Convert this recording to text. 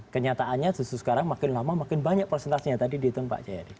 kenyataannya justru sekarang makin lama makin banyak presentasenya tadi ditentang pak ceyade